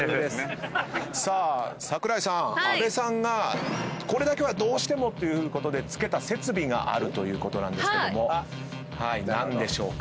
さあ桜井さん阿部さんがこれだけはどうしてもということで付けた設備があるということなんですけども何でしょうか？